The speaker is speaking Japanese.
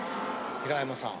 平山さん